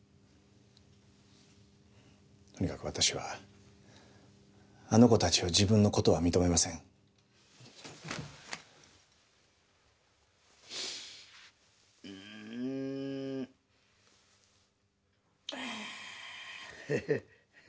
とにかく私はあの子たちを自分の子とは認めませんへ